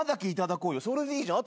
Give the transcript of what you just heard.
それでいいじゃん。